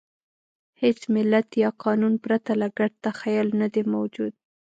هېڅ ملت یا قانون پرته له ګډ تخیل نهدی موجود.